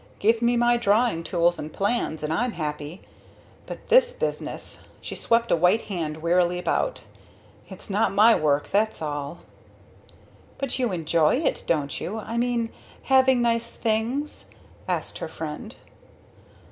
"Give me my drawing tools and plans and I'm happy but this business" she swept a white hand wearily about "it's not my work, that's all." "But you enjoy it, don't you I mean having nice things?" asked her friend.